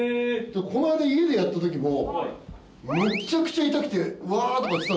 この間家でやった時もめっちゃくちゃ痛くて。